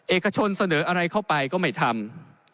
เอกชนเสนออะไรเข้าไปก็ไม่ทำ